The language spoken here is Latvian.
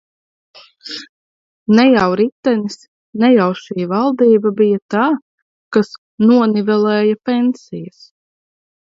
Ne jau Ritenis, ne jau šī valdība bija tā, kas nonivelēja pensijas.